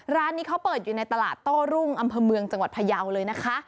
ร้านนี้เขาเปิดอยู่ในตลาดโต้รุ่งอำเภอเมืองจังหวัดพยาวเลยนะคะ